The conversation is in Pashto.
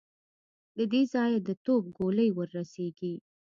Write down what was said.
له دې ځايه د توپ ګولۍ ور رسېږي.